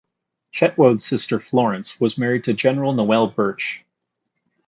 Chetwode's sister Florence was married to General Noel Birch.